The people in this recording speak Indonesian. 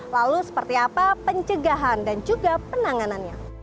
lalu seperti apa pencegahan dan juga penanganannya